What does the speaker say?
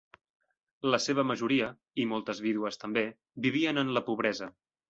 La seva majoria -i moltes vídues també- vivien en la pobresa.